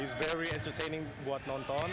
dia sangat menyenangkan buat nonton